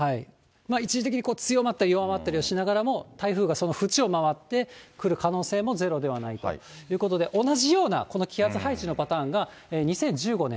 一時的に強まったり弱まったりしながらも、台風がそのふちを回って、来る可能性もゼロではないということで、同じようなこの気圧配置のパターンが２０１５年。